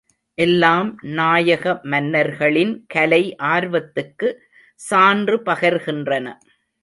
எல்லாம் நாயக மன்னர்களின் கலை ஆர்வத்துக்கு சான்று பகர்கின்றன.